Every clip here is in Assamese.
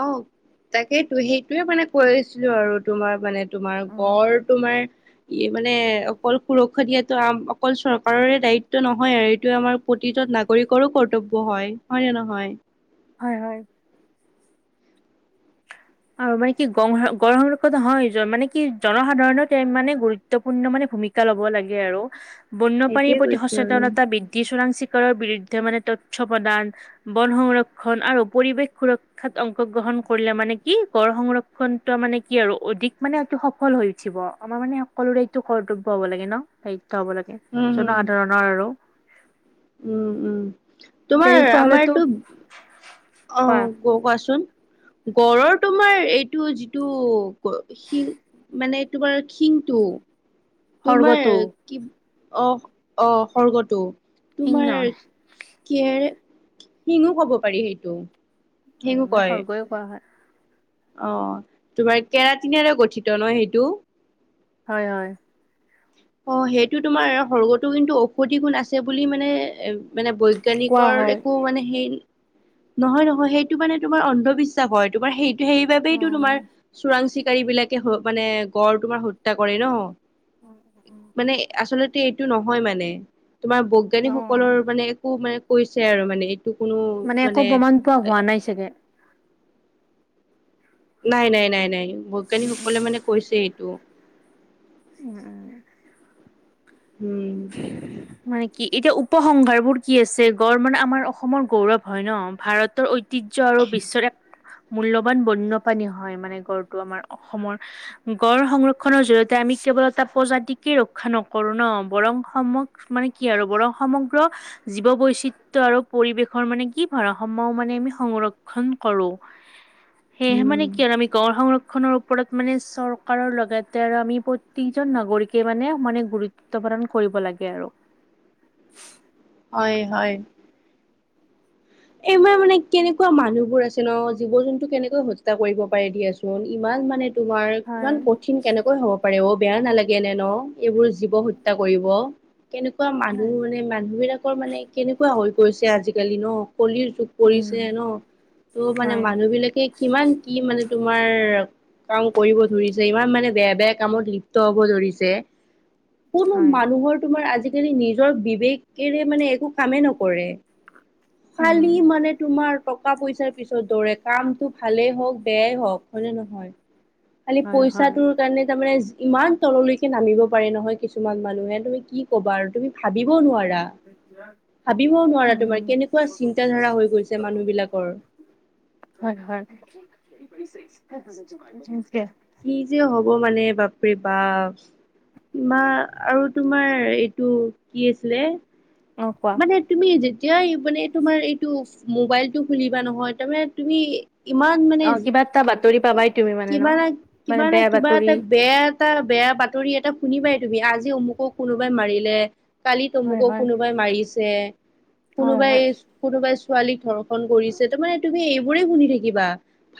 অ', তাকেইটো সেইটোৱে মানে কৈ আছিলো আৰু তোমাক। মানে তোমাৰ অ', গড় তোমাৰ ই মানে অকল সুৰক্ষা দিয়াতো আম অকল চৰকাৰৰে দায়িত্ব নহয় আৰু এইটো আমাৰ প্ৰতিজন নাগৰিকৰো কৰ্তব্য হয় হয়নে নহয়। হয়, হয়। আৰু মানে কি গ-গড়ৰ ওপৰত হয় মানে কি জনসাধাৰণে মানে গুৰুত্ব গুৰুত্বপূৰ্ণ মানে ভূমিকা ল'ব লাগে আৰু বন্যপ্ৰাণীৰ সেইটোয়ে প্ৰতি কৈছো আৰু। সচেতনতা বৃদ্ধি চোৰাং চিকাৰৰ বিৰুদ্ধে মানে তথ্য প্ৰদান। বন সংৰক্ষন আৰু পৰিৱেশ সুৰক্ষাত অংশগ্ৰহণ কৰিলে মানে কি গড় সংৰক্ষণ ত মানে কি আৰু অধিক মানে এইটো সফল হৈ উঠিব আমাৰ মানে সকলো দায়িতটো কৰ্তব্য হব লাগে ন দায়িত্ব হব লাগে উম, হম, জনসাধাৰণৰ আৰু। উম, উম তোমাৰ তেনেকুৱা হলেতো আমাৰটো কোৱা অ', ক-কোৱাচোন। গড়ৰ তোমাৰ এইটো যিটো শিং মানে তোমাৰ শিংটো তোমাৰ সৰ্গটো কি অ', অ', খৰ্গটো সিংহ তোমাৰ- কিহৰে, শিঙো কব পাৰি সেইটো। শিঙো উম্, কয় খৰ্গ কোৱা হয়। অ', তোমাৰ কেৰাটিনেৰে গঠিত ন সেইটো। হয় হয়। অ', সেইটো তোমাৰ খৰ্গতো কিন্তু ঔষধি গুণ আছে বুলি মানে মানে কোৱা বৈজ্ঞানিকৰ হয়। একো মানে সেই নহয় নহয়, সেইটো মানে তোমাৰ অন্ধবিশ্বাস হয়, তোমাৰ সেই অ সেইবাবেইটো তোমাৰ চোৰাং চিকাৰী বিলাকে মানে গড় তোমাৰ হত্যা কৰে ন। মানে আচলতে এইটো নহয় মানে, তোমাৰ অ', বৈজ্ঞানিকসকলৰ মানে একো মানে কৈছে আৰু মানে এই- টো কোনো মানে, পাইছাগে। নাই নাই নাই নাই, বৈজ্ঞানিকসকলে মানে কৈছে এইটো, উম্, উম্, মানে কি, এতিয়া উপসংহাৰ বোৰ কি আছে, গড় মানে আমাৰ অসমৰ গৌৰৱ হয় ন। ভাৰতৰ ঐ ঐতিহ্য আৰু বিশ্বৰ এক মূল্যবান বন্যপ্ৰাণী হয়, মানে গড়টো আমাৰ অসমৰ। গড় সংৰক্ষনৰ জৰিয়তে আমি কেৱল এটা প্ৰজাতিকে ৰক্ষা নকৰো ন। বৰং সমগ্ৰ মানে কি আৰু বৰং সমগ্ৰ জীৱ বৈচিত্ৰ আৰু পৰিৱেশৰ মানে কি ভাৰসাম্য মানে আমি সংৰক্ষন কৰো। সেয়েহে উম মানে কি আৰু আমি গড় সংৰক্ষণ - খনৰ ওপৰত মানে চৰকাৰৰ লগতে আৰু আমি প্ৰত্যেকজন নাগৰিকে মানে সমানে গুৰুত্ব- গুৰুত্ব প্ৰদান কৰিব লাগে আৰু। হয় হয়। এইবাৰ মানে কেনেকুৱা মানুহবোৰ আছে ন, জীৱ জন্তু কেনেকৈ হত্যা কৰিব পাৰে দিয়াচোন, ইমান মানে- তোমাৰ হয় কিমান কঠিন কেনেকৈ হ'ব পাৰে অ', বেয়া নালাগে নে ন এইবোৰ জীৱ হত্যা কৰিব। কেনেকুৱা মানুহ, হয়। মানে মানুহ বিলাকৰ মানে কেনেকুৱা হৈ গৈছে, আজিকালি ন কলিৰ যুগ, উম পৰিছে ন, ত' মানে হয় মানুহ বিলাকে কিমান কি মানে তোমাৰ- কাম কৰিব ধৰিছে, ইমান মানে বেয়া বেয়া কামত লিপ্ত হব ধৰিছে। কোনো হয় মানুহৰ তোমাৰ আজিকালি নিজৰ বিবেকেৰে মানে একো কামেই নকৰে। উম খালী মানে তোমাৰ। টকা পইচাৰ পিছত দৌৰে কামটো ভালেই হওঁক, বেয়াই হওঁক, হয়নে নহয়। খালি হয় হয় পইচাটো। কাৰণে তাৰমানে ইমান তললৈকে নামিব পাৰে নহয় কিছুমান মানুহে তুমি কি কবা আৰু তুমি- ভাবিব নোৱাৰা। ভাবিবও নোৱাৰা, তোমাৰ উম কেনেকুৱা চিন্তা ধাৰা হৈ গৈছে মানুহ বিলাকৰ। হয় হয়। কি যে হ'ব মানে বাপৰে বা। মা আৰু তোমাৰ এইটো কি আছিলে, অ', কোৱা এই তুমি যেতিয়াই মানে তোমাৰ এইটো মোবাইলটো খুলিবা নহয়, তাৰমানে তুমি ইমান মানে, অ কিবা এটা বাতৰি পাবাই তুমি মানে ন? কিবা নহয় মানে কিবা না বেয়া কিবা বাতৰি এটা বেয়া এটা বেয়া বাতৰি এটা শুনিবাই তুমি, আজি অমুকক কোনোবাই মাৰিলে, কালি হয় তমুকক হয় কোনো কোনোবাই মাৰিছে, হয় কোনোবাই হয় কোনোবাই ছোৱালীক ধৰ্ষণ কৰিছে, তাৰ মানে তুমি শুনি থাকিবা,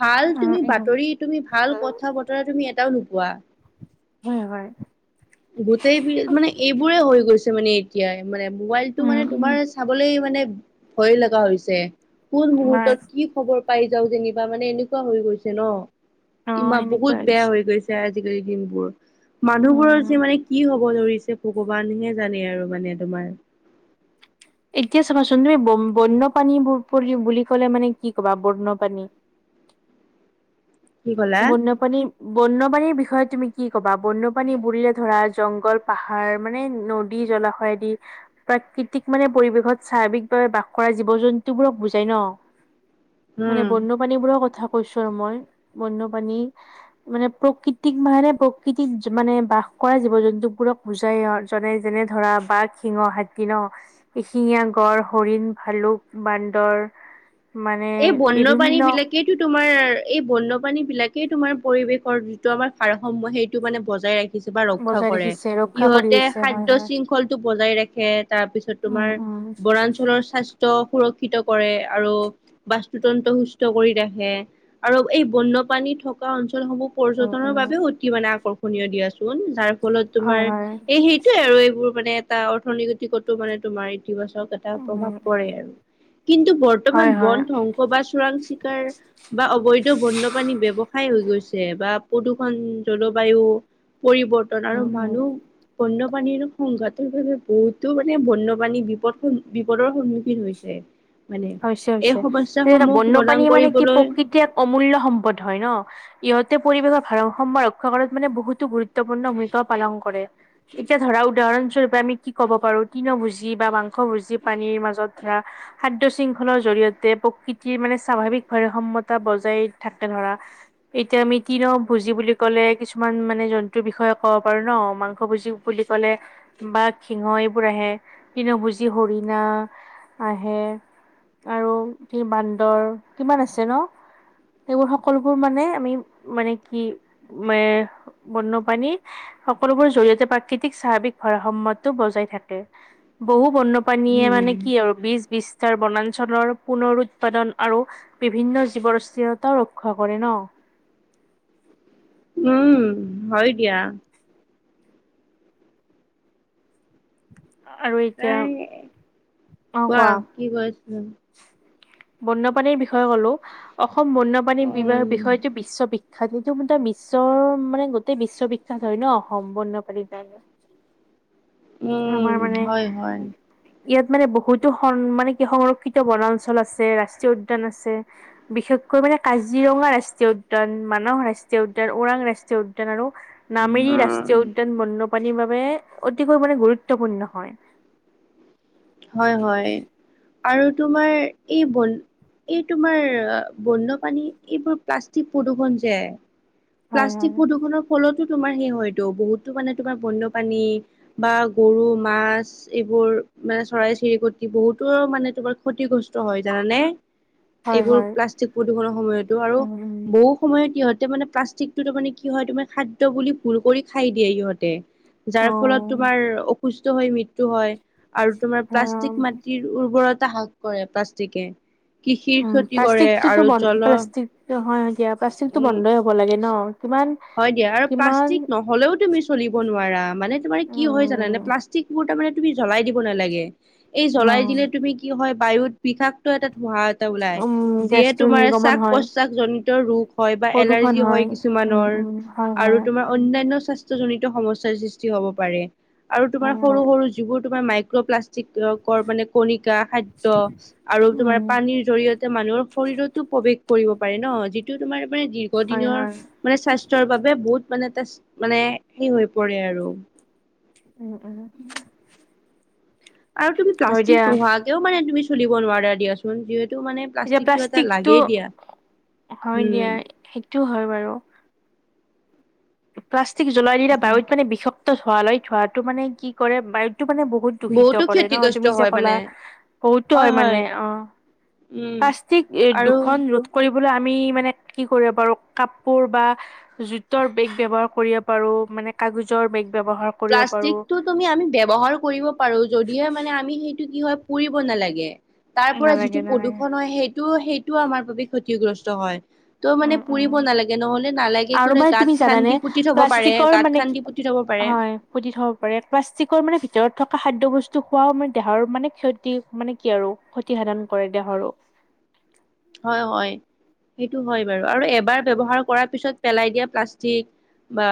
ভাল উম তুমি উম বাতৰি তুমি ভাল কথা তুমি এটাও নোপোৱা। হয় হয় গোটেই বি মানে এই এইবোৰে হৈ গৈছে মানে এতিয়া মানে মোবাইলটো উম মানে উম তোমাৰ চাবলে মানে ভয় লগা হৈছে, কোন হয় মুহূৰ্তত কি খবৰ পাই যাওঁ যেনিবা মানে এনেকুৱা হৈ গৈছে ন, অ ইমা সেনেকুৱা বহুত বেয়া হৈছে হৈ গৈছে [unintelligible] আজিকালি দিনবোৰ। মানুহবোৰৰ উম যে মানে কি হ'ব ধৰিছে ভগৱানহে জানে আৰু মানে তোমাৰ। এতিয়া চাবাচোন তুমি ব বন্যপ্ৰাণীৰ বুলি ক'লে মানে কি ক'বা বন্যপ্ৰাণী। কি ক'লা? বন্যপ্ৰাণী বন্যপ্ৰাণীৰ বিষয়ে তুমি কি ক'বা বন্যপ্ৰাণী বুলিলে ধৰা জংঘল, পাহাৰ মানে নদী জলাশ হয় দি প্ৰাকৃতিক মানে পৰিৱেশত স্বাৱিকভাৱে বাস কৰা জীৱ জন্তুবোৰক বুজাই ন। মানে উম। বন্যপ্ৰাণীবোৰৰ কথা কৈছো আৰু মই, বন্যপ্ৰাণী। মানে প্ৰকৃতিক মাহেৰে প্ৰকৃতিত মানে বাস কৰা জীৱ জন্তুবোৰক বুজাই জনে যেনে ধৰা বাঘ শিঙ হাতী ন। এশিঙীয়া গড়, হৰিণ, ভালুক, বান্দৰ। মানে বিভিন্ন সেইটো তোমাৰ এই বন্যপ্ৰাণীবিলাকেই তোমাৰ পৰিৱেশৰ যিটো আমাৰ ভাৰসাম্য সেইটো মানে বজাই [unintelligible] ৰক্ষা বজাই কৰে, ৰাখিছে ৰক্ষা কৰি ইহঁতে আহিছে হয় খাদ্য হয় শৃংখল [unintelligible] বজাই ৰাখে তাৰপিছত উম তোমাৰ উম বনাঞ্চলৰ স্বাস্থ্য সুৰক্ষ [unintelligible] কৰে আৰু বাস্তুতন্ত্ৰ সুস্থ কৰি ৰাখে, আৰু এই বন্যপ্ৰানী থকা অঞ্চলসমূহ উম পৰ্যটনৰ উম বাবে অতি মানে আকৰ্ষণীয় দিয়াচোন যাৰ ফলত হয় তোমাৰ হয় এই সেই সেইয়ে আৰু এইবোৰ মানে এটা অৰ্থনৈতিকতো মানে তোমাৰ ইতিবাচক এটা উম প্ৰভাৱ পৰে আৰু, কিন্তু হয় বৰ্তমান হয় বন ধ্বংস বা চোৰাং চিকাৰ বা অবৈধ বন্যপ্ৰাণী ব্যৱসায় হৈ গৈছে বা প্ৰদূষণ, জলবায়ু পৰিৱৰ্তন আৰু উম উম মানুহ বন্যপ্ৰাণীৰ সংঘাতৰ বাবে বহুতো মানে বন্যপ্ৰাণী বিপদ বিপদৰ সন্মুখীন হৈছে। মানে, এই সবা সেই এটা বন্যপ্ৰাণী মানে কি প্ৰকৃতি এক অমূল্য সম্পদ হয় ন। ইহঁতে পৰিৱেশৰ ভাৰসাম্য ৰক্ষা কৰাত মানে বহুতো গুৰুত্বপূৰ্ণ ভূমিকাও পালন কৰে। এতিয়া ধৰা উদাহৰণস্বৰূপে পৰা আমি কি ক'ব পাৰো তিন ভুজি বা মাংস ভুজি পানীৰ মাজত ধৰা [unintelligible] [unintelligible] শৃংখলৰ জৰিয়তে প্ৰকৃতিৰ মানে স্বাভাৱিকভাৱে সম্যতা বজাই থাকে ধৰা এতিয়া আমি তৃণ ভুজি বুলি ক'লে কিছুমান মানে জন্তুৰ বিষয়ে ক'ব পাৰো ন মাংস ভোজি বুলি ক'লে বাঘ, সিংহ এইবোৰ আহে কিন্তু তৃণ ভুজি হৰিণা আহে। আৰু কি বান্দৰ কিমান আছে ন। সেইবোৰ সকলোবোৰ মানে আমি, মানে কি, এ বন্যপ্ৰাণী সকলোবোৰ জৰিয়তেই প্ৰাকৃতিক স্বাভাৱিক ভাৰসম্যতো বজাই থাকে। বহু বন্যপ্ৰাণীয়ে মানে কি উম আৰু বিশ বিশ [unintelligible] বনাঞ্চলৰ পুনৰ উৎপাদন আৰু বিভিন্ন জীৱৰ্থিৰতাও ৰক্ষা কৰে ন। উম, হয় দিয়া। আৰু এ, এতিয়া কোৱা কি [unintelligible] বন্যপ্ৰাণীৰ বিষয়ে ক'লো, অসম বন্যপ্ৰাণী বিৰ উম বিষয়টো বিশ্ব বি [unintelligible] বিশ্বৰ মানে গোটেই বিশ্ববিখ্যাত হয় ন অসম বন্যপ্ৰাণীৰ কাৰণে উম, আমাৰ মানে হয় হয়। ইয়াত মানে বহুতো মানে কি সংৰক্ষিত বনাঞ্চল আছে ৰাষ্ট্ৰীয় উদ্যান আছে। বিশেষকৈ মানে কাজিৰঙা ৰাষ্ট্ৰীয় উদ্যান মানস ৰাষ্ট্ৰীয় উদ্যান ওৰাং ৰাষ্ট্ৰীয় উদ্যান আৰু। নামেৰি উম ৰাষ্ট্ৰীয় উদ্যান বন্যপ্ৰাণীৰ বাবে অতিকৈ মানে গুৰুত্বপূৰ্ণ হয়। হয় হয় আৰু তোমাৰ এই বন। এই তোমাৰ বন্যপাানী এইবোৰ প্লাষ্টিক প্ৰদূৰষণ যে। হয় প্লাষ্টিক হয় প্ৰদূষণৰ ফলতো তোমাৰ সেই হয়তো, বহুতো মানে তোমাৰ বন্যপাণী বা গৰু মাছ। এইবোৰ মানে চৰাই চিৰিকটি বহুতো মানে তোমাৰ ক্ষতিগ্ৰস্ত হয় জানানে? হয় এইবোৰ হয় প্লাষ্টিক প্ৰদূষনৰ সময়তো আৰু উম বহু সময়ত ইহতে মানে প্লাষ্টিক তাৰমানে কি হয় তমাৰ খাদ্য বুলি ভুল কৰি খাই দিয়ে সিহঁতে। যাৰ ফলত উম তোমাৰ অসুস্থ হৈ মৃত্যয়ু হয় আৰু তোমাৰ প্লাষ্টিক অ মাটিৰ উৰ্বৰতা হ্ৰাস কৰে প্লাষ্টিকে। কৃষিৰ উম, ক্ষতি কৰে প্লাষ্টিকটোতো আৰু বন জল প্লাষ্টিক হয় দিয়া। প্লাষ্টিকতো উম বন্ধই হ'ব লাগে ন' কিমান হয় দিয়া। আৰু কিমান প্লাষ্টিক নহ'লেও তুমি চলিব নোৱাৰা মানে তোমাৰ কি হয় জানানে উম, প্লাষ্টিকবোৰ তাৰমানে তুমি জ্বলাই দিব নালাগে। এই জ্বলাই অ', দিলে তুমি কি হয় বায়ুত বিষাক এটা ধোঁহা এটা ওলাই উম, যিয়ে গেছটো তোমাৰ নিৰ্গমন শাক হয় পশ্বাস জনিত ৰোগ হয় বা প্ৰদূষণ এলাৰ্জি হয় কি কিছু উম, মানুহৰ উম, হয়, আৰু হয়, তু তোমাৰ উম, অন্যান্য স্বাস্থ্যজনিত সমস্যাৰ সৃষ্টি হ'ব পাৰে আৰু তোমাৰ হয়, সৰু হয়, সৰু যিবোৰ মাইক্ৰপ্লাষ্টিকৰ মানে কণিকা, খাদ্য আৰু তমাৰ উম, পানী জৰিয়তে মানুহৰ শৰীৰতো প্ৰৱেশ কৰিব পাৰে ন' যিটো তোমাৰ মানে হয়, দীৰ্ঘদিনৰ হয়, মানে স্বাস্থ্যৰ বাবে বহুত মানে মানে হে হৈ পৰে আৰু। উম, উম। আৰু তুমি হয় দিয়া প্লাষ্টিক নোহোৱাকেও মানে তুমি চলিব নোৱাৰা দিয়াচোন, যিহেতু মানে এতিয়া এটা প্লাষ্টিকটো লাগেই দিয়া। হয় উম, দিয়া, সেইটোও হয় বাৰু। প্লাষ্টিক জ্বলাই দিলে বায়ুত মানে বিষাক্ত ধুৱা লৈ ধোৱাটো মানে কি কৰে, বায়ুটো মানে বহুত দূষিত বহুতো কৰে ন'। ক্ষতিগ্ৰস্ত তুমি যে হয় মানে ক'লা বহুতো হয় মানে অ'। উম। প্লচিক এ, আৰু দুখন ৰূপ কৰিবলৈ আমি মানে কি কৰিব পাৰো, কাপোৰ বা জোতৰ বেগ ব্যৱহাৰ কৰিব পাৰোঁ, মানে কাগজৰ বেগ ব্যৱহাৰ কৰিব পাৰো প্লাষ্টিকটো তুমি আমি ব্যৱহাৰ কৰিব পাৰোঁ যদিহে মানে আমি সেইটো কি হয় পুৰিব নালাগে। তাৰপৰা নালাগে যিটো নালাগে প্ৰদূৰণ হয় সেইটো সেইটোও আমাৰ বাবে ক্ষতিগ্ৰস্ত হয়। তো উম মানে উম পুৰিব নালাগে, নহ'লে নালাগে আৰু কোনে মানে তুমি গাঁত জানানে খান্দি পুতি থ'ব পাৰে, প্লাষ্টিকৰ গাঁত মানে কি খান্দি পুতি থ'ব পাৰে। হয় পুতি থ'ব পাৰে। প্লাষ্টিকৰ মানে ভিতৰত থকা খাদ্য বস্তু খোৱাও মানে দেহৰ মানে ক্ষতি মানে কি আৰু ক্ষতিসাধন কৰে দেহৰো। হয় হয়, সেইটো হয় বাৰু। আৰু এবাৰ ব্যৱহাৰ কৰাৰ পিছত পেলাই দিয়া প্লাষ্টিক বা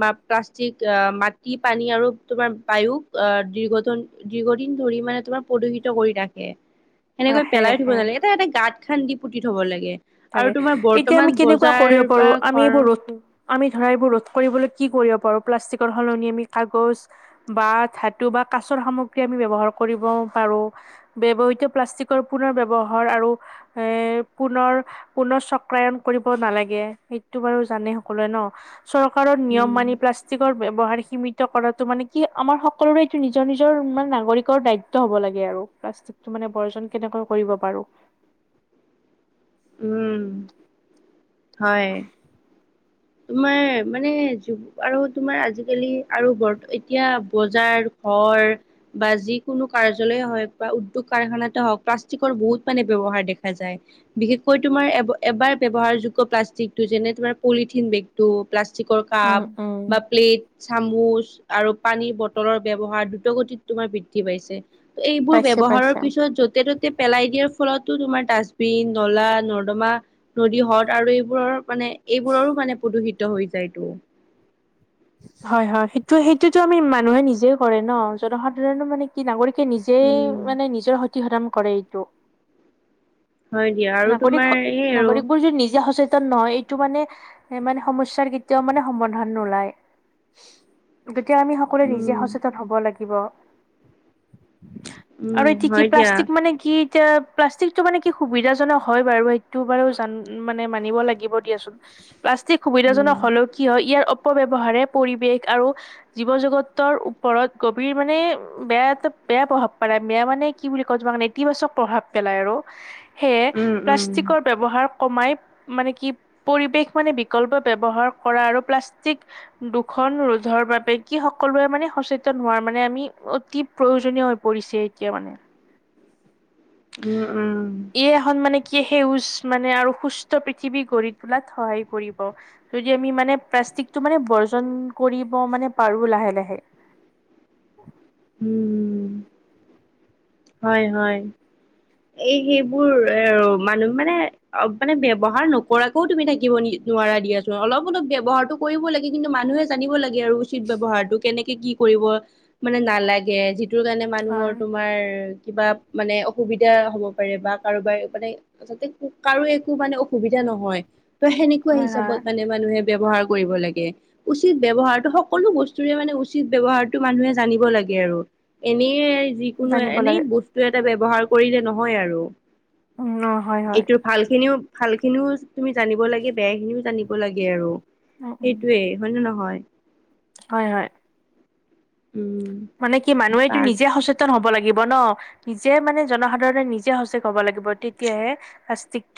বা প্লাষ্টিক, মাটি, পানী আৰু তোমাৰ বায়ু অ' দীৰ্ঘ দীৰ্ঘদিন ধৰি মানে তোমাৰ প্ৰদূষিত কৰি ৰাখে। [unintelligible] সেনেকৈ পেলাই থ'ব ৰাখে নালাগে। এটা এটা গাঁত খান্দি পুতি থ'ব লাগে। আৰু তাকে তোমাৰ এতিয়া বৰ্তমান আমি কেনেকুৱা বজাৰ কৰিব বা পাৰোঁ, আমি ঘৰ এইবোত আমি ধৰা এইবোৰ ৰোধ কৰিবলৈ কি কৰিব পাৰোঁ, প্লাষ্টিকৰ সলনি আমি কাগজ বা ধাতু বা কাছৰ সামগ্ৰী আমি ব্যৱহাৰ কৰিব পাৰোঁ। ব্যৱহৃত প্লাষ্টিকৰ পুনৰ ব্যৱহাৰ আৰু এ, পুনৰ পুনৰ চক্ৰায়ন কৰিব নালাগে, সেইটো বাৰু জানে সকলোৱে ন'? চৰকাৰৰ নিয়ম উম মানি প্লা পাষ্টিকৰ ব্যৱহাৰ সীমিত কৰাটো মানে কি আমাৰ সকলোৰে এইটো নিজৰ নিজৰ মানে নাগৰিকৰ দায়ি হ'ব লাগে আৰু, প্লাষ্টিকটো মানে বৰ্জন কেনেকৈ কৰিব পাৰোঁ। উম, হয়। তোমাৰ মানে আৰু তোমাৰ আজিকালি আৰু বৰ এতিয়া বজাৰ হয়। বা যিকোনো কাৰ্যালয়ে হওক বা উদ্যোগ কাৰখানাতে হওঁক প্লাষ্টিকৰ বহুত মানে ব্যৱহাৰ দেখা যায়। বিশেষকৈ তোমাৰ এবাৰ ব্যৱহাৰযোগ্য প্লাষ্টিকটো যেনে তোমাৰ পলি বেগটো, প্লাষ্টিকৰ উম কাপ, উম বা প্লেট চামুচ আৰু, পানীৰ বটলৰ ব্যৱহাৰ দ্ৰুতগতিত তোমাৰ বৃদ্ধি পাইছে। এইবোৰ পাইছে ব্যৱহাৰৰ পাইছে পিছত, য'তে ত'তে পেলাই দিয়াৰ ফলতো, তোমাৰ ডাষ্টবিন নলা নৰ্দমা নদী, হ্ৰদ আৰু এইবোৰৰ মানে এইবোৰৰো মানে প্ৰদূষিত হৈ যায়তটো হয়, হয়, সেইটো সেইটোতো আমি মানুহে নিজে কৰে ন জনসাধাৰণো মানে কি নাগৰিক নিজেই উম মানে নিজৰ সতি সতন কৰে এইটো। হয় দিয়া আৰু নাগৰিক তোমাৰ এই আৰু নাগৰিকবোৰ যদি নিজে সচেতন নহয়। সটো মানে, মানে সমস্যাৰ কেতিয়াও মানে সমাধান নোলায়। গতিয়া, আমি সকলোৱে নিজে উম সচেতন হ'ব লাগিব। আৰু, উম এতিয়া কি হয় দিয়া প্লাষ্টিক মানে কি এতিয়া প্লাষ্টিকটো মানে কি সুবিধা হয় বাৰু, সটো বাৰ মানে মানিব লাগিব দিয়াচোন প্লাষ্টিক উম সুবিধাজনক হ'লেও। কি হয়, ইয়াৰ অপব্যয়ৱহাৰে পৰিৱেশ আৰু জীৱ জগতৰ ওপৰত গভীৰ মানে, বেয়া এটা বেয়া প্ৰভাৱ পায় বেয়া মানে কি বুলি কয়, তোমাকে নেতিবাচক প্ৰভাৱ পেলাই আৰু, সেয়ে উম প্লাষ্টিকৰ উম ব্যৱহাৰ কমাই মানে, কি পৰিৱেশ মানে, বিকল্প ব্যৱহাৰ কৰা আৰু প্লাষ্টিক দুখন ৰোধৰ বাবে, কি সকলোৱে মানে, সচেতন হোৱাৰ মানে আমি অতি প্ৰয়োজনীয় হৈ পৰিছে, এতিয়া মানে উম, উম, ই, এখন মানে কি সেউজ মানে, আৰু সুস্থ পৃথিৱী গঢ়ি তোলাত সহায় কৰিব। যদি আমি মানে, প্লাষ্টিকটো মানে বৰ্জন কৰিব মানে পাৰো লাহে লাহে উম, হয়, হয়, এই সেইবোৰ এ, মানুহ মানে, অ মানে ব্যৱহাৰ নকৰাক আকৌ, তুমি থাকিব নি নোৱাৰা দিয়াচোন, অলপ অলপ ব্যৱহাৰটো কৰিব লাগে কিন্তু মানুহে জানিব লাগে আৰু উচিত ব্যৱহাৰটো। কেনেকে কি কৰিব মানে নালাগে, যিটোৰ কাৰণে মানুহৰ হয় তোমাৰ কিবা মানে অসুবিধা হব পাৰে, বা কাৰোবাৰ মানে যাতে কাৰো একো মানে সুবিধা নহয়, ত সেনেকুৱা হয় হিচাপত হয় মানে মানুহে ব্যৱহাৰ কৰিব লাগে। উচিত ব্যৱহাৰটো, সকলো বস্তুৰে মানে, উচিত ব্যৱহাৰটো মানুহে জানিব লাগে আৰু এনেই, যিকোনো জানিব এনেই লাগে বস্তু এটা ব্যৱহাৰ কৰিলে নহয় আৰু উ, হয়, হয়, ভালখিনিও, ভালখিনিও তুমি জানিব লাগে, বেয়াখিনিও জানিব লাগে আৰু উম উম সেইটোৱে, হয় নে নহয়, হয় হয় উম মানে কি, মানুহে এইটো বা নিজে সচেত ন হব লাগিব ন, নিজে মানে জনসাধাৰণে নিজে সচক হব লাগিব, তেতিয়াহে- [unintelligible]